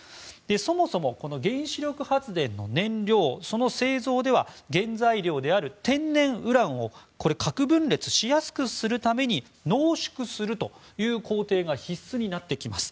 そもそも、原子力発電の燃料その製造では原材料である天然ウランを核分裂しやすくするために濃縮するという工程が必須になってきます。